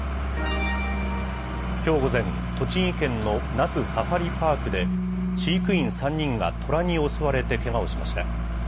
きょう午前、栃木県の那須サファリパークで、飼育員３人がトラに襲われて、けがをしました。